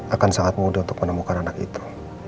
akan sangat mudah untuk menemukan anak itu